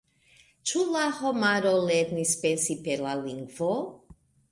Ĉu la homaro lernis pensi per la lingvo?